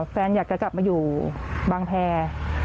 แฟนอยากจะกลับมาอยู่บางแพร่